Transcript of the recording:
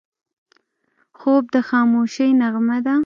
خوب د خاموشۍ نغمه ده